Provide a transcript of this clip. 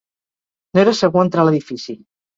No era segur entrar a l'edifici.